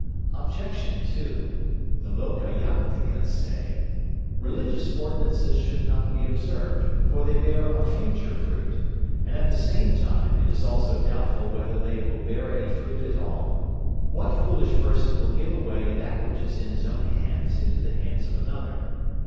Objection 2. The Lokayatikas say: Religious ordinances should not be observed, for they bear a future fruit, and at the same time it is also doubtful whether they will bear any fruit at all. What foolish person will give away that which is in his own hands into the hands of another?